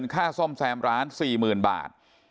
ค่าซ่อมแซมร้าน๔๐๐๐บาท